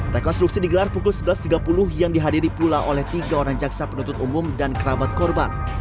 rekonstruksi digelar pukul sebelas tiga puluh yang dihadiri pula oleh tiga orang jaksa penuntut umum dan kerabat korban